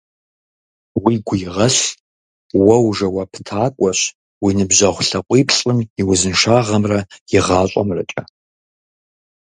Уигу игъэлъ: уэ ужэуаптакӏуэщ уи ныбжьэгъу лъакъуиплӏым и узыншагъэмрэ и гъащӏэмрэкӏэ.